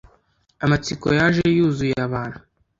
amatsiko yaje yuzuye abantu: